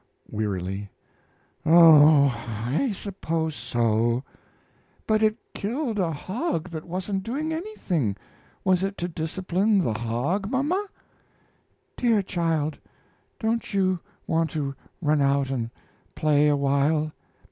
(Wearily.) "Oh, I suppose so." "But it killed a hog that wasn't doing anything. Was it to discipline the hog, mama?" "Dear child, don't you want to run out and play a while?